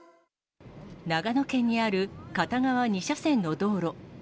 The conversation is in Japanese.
長野県にある片側２車線の道路。